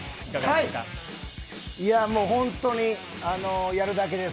いやもう、本当にやるだけです。